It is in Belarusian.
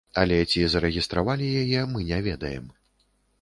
Але ці зарэгістравалі яе, мы не ведаем.